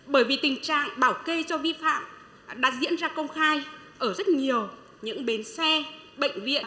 bởi vì tình trạng bảo kê cho vi phạm đã diễn ra công khai ở rất nhiều những bến xe bệnh viện